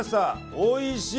おいしい！